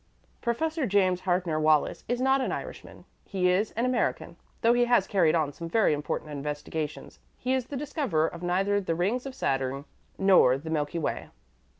Professor James Harkner Wallis is not an Irishman; he is an American. Though he has carried on some very important investigations, he is the discoverer of neither the rings of Saturn nor the Milky Way.